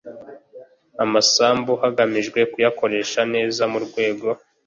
amasambu hagamijwe kuyakoresha neza murwego